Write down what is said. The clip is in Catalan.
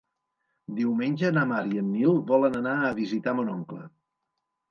Diumenge na Mar i en Nil volen anar a visitar mon oncle.